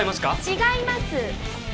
違います